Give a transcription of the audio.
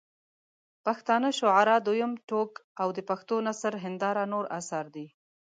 پښتانه شعراء دویم ټوک او د پښټو نثر هنداره نور اثار دي.